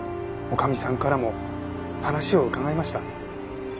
女将さんからも話を伺いました。